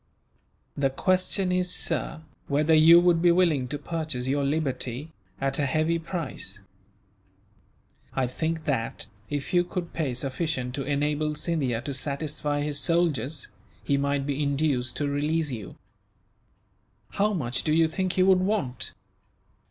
"The question is, sir, whether you would be willing to purchase your liberty, at a heavy price. I think that, if you could pay sufficient to enable Scindia to satisfy his soldiers, he might be induced to release you." "How much do you think he would want?"